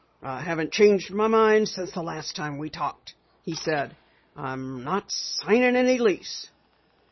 "I haven't changed my mind since the last time we talked," he said. "I'm not signing any lease!"